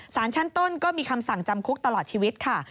สารชั้นต้นก็มีคำสั่งจำคุกตลอดชีวิตค่ะ